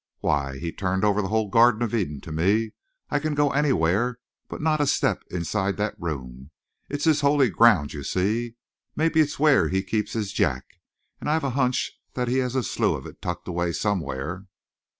Why, he turned over the whole Garden of Eden to me. I can go anywhere, but not a step inside that room. It's his Holy Ground, you see! Maybe it's where he keeps his jack. And I've a hunch that he has a slough of it tucked away somewhere."